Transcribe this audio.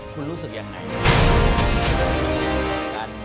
คุณรู้สึกอย่างไหน